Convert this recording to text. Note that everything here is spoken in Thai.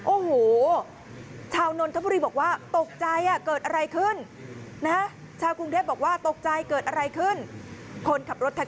โอ้โหชาวน้นทบุรีบอกว่าตกใจเกิดอะไรขึ้น